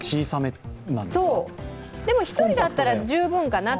でも１人だったら十分かな。